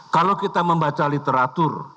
kalau kita membaca literatur